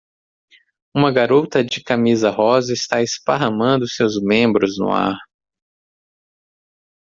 Uma garota de camisa rosa está esparramando seus membros no ar.